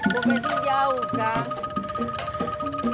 pembensin jauh kang